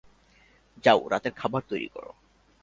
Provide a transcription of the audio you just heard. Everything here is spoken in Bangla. যাও, রাতের খাবার তৈরি কর।